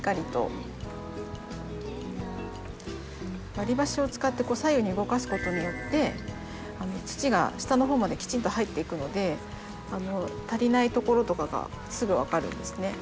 割り箸を使って左右に動かすことによって土が下の方まできちんと入っていくので足りないところとかがすぐ分かるんですね。